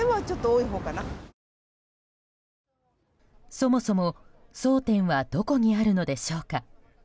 そもそも、争点はどこにあるのでしょうか。